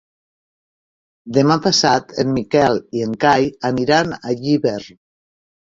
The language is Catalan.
Demà passat en Miquel i en Cai aniran a Llíber.